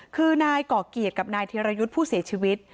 คือนายก่อเกียรติกับนายธิรยุทธ์ผู้เสียชีวิต